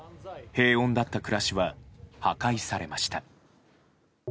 平穏だった暮らしは破壊されました。